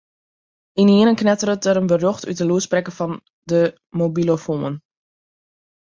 Ynienen knetteret der in berjocht út de lûdsprekker fan de mobilofoan.